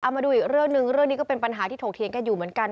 มาดูอีกเรื่องหนึ่งเรื่องนี้ก็เป็นปัญหาที่ถกเถียงกันอยู่เหมือนกัน